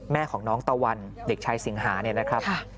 แม่ของน้องตะวันเด็กชายสิงหาเนี่ยนะครับ